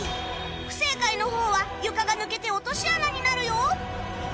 不正解の方は床が抜けて落とし穴になるよ！